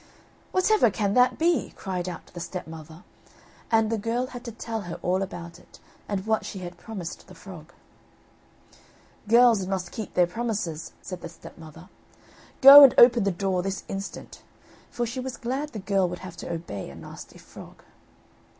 "Whatever can that be?" cried out the stepmother, and the girl had to tell her all about it, and what she had promised the frog. "Girls must keep their promises," said the stepmother. "Go and open the door this instant." For she was glad the girl would have to obey a nasty frog.